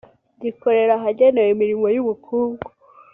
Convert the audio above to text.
gikorera ahagenewe imirimo y ubukungu